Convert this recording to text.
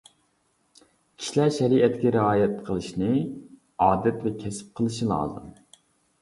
كىشىلەر شەرىئەتكە رىئايە قىلىشىنى ئادەت ۋە كەسىپ قىلىشى لازىم.